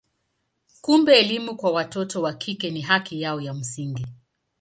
Kumbe elimu kwa watoto wa kike ni haki yao ya msingi.